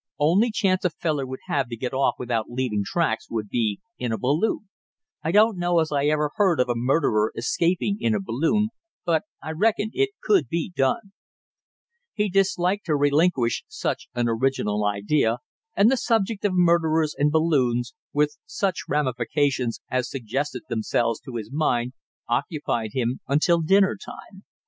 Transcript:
Only chance a feller would have to get off without leaving tracks would be in a balloon; I don't know as I ever heard of a murderer escaping in a balloon, but I reckon it could be done." He disliked to relinquish such an original idea, and the subject of murderers and balloons, with such ramifications as suggested themselves to his mind, occupied him until dinner time.